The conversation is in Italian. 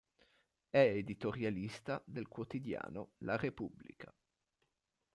È editorialista del quotidiano "la Repubblica".